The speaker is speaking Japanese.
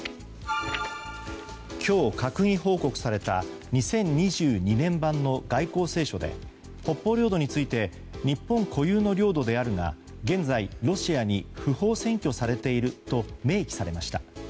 今日、閣議報告された２０２２年版の外交青書で北方領土について日本固有の領土であるが現在、ロシアに不法占拠されていると明記されました。